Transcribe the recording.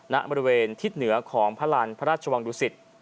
ณบริเวณทิศเหนือของพระลันพระราชวังดุสิต